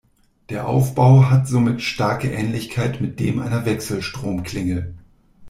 Der Aufbau hat somit starke Ähnlichkeit mit dem einer Wechselstrom-Klingel.